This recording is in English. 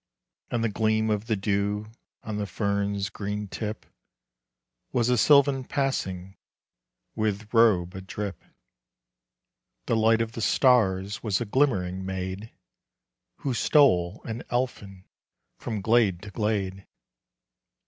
And the Gleam of the Dew on the fern's green tip Was a sylvan passing with robe a drip. The Light of the Stars was a glimmering maid Who stole, an elfin, from glade to glade.